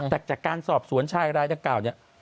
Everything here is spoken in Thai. แต่จากการสอบสวนชายรายนกราวนี้